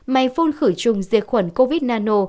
máy phun khử trùng diệt khuẩn covid nano